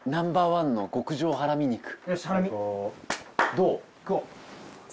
どう？